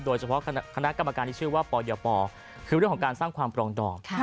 โดยเฉพาะคณะกรรมการที่ชื่อว่าปยปคือเรื่องของการสร้างความปรองดอง